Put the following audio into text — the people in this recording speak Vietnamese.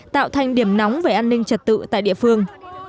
tạo thành điểm nóng về an ninh trật tự tại địa phương